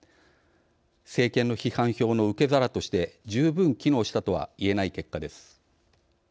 政権の批判票の受け皿として十分機能したとは言えない結果です。